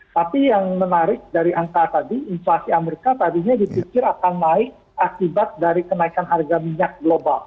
tapi yang menarik dari angka tadi inflasi amerika tadinya dipikir akan naik akibat dari kenaikan harga minyak global